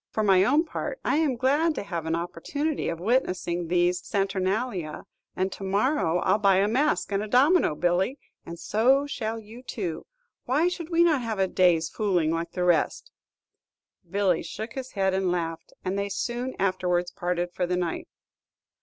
For my own part, I am glad to have an opportunity of witnessing these Saturnalia, and to morrow I 'll buy a mask and a domino, Billy, and so shall you too. Why should we not have a day's fooling, like the rest?" Billy shook his head and laughed, and they soon afterwards parted for the night.